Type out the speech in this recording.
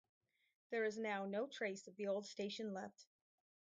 There is now no trace of the old station left.